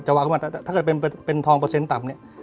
จะวางเข้ามาถ้าเกิดเป็นทองเปอร์เซ็นต์ต่ำเนี่ย